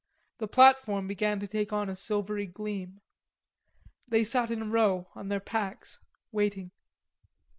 The platform began to take on a silvery gleam. They sat in a row on their packs, waiting.